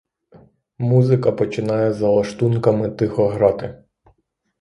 Музика починає за лаштунками тихо грати.